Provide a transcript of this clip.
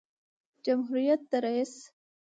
جمهوریت د رئیس